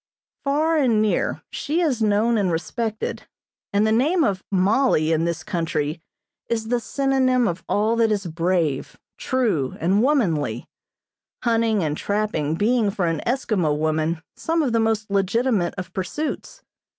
Far and near she is known and respected, and the name of "Mollie" in this country is the synonym of all that is brave, true and womanly; hunting and trapping being for an Eskimo woman some of the most legitimate of pursuits.